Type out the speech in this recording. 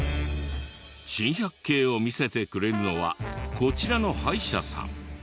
珍百景を見せてくれるのはこちらの歯医者さん。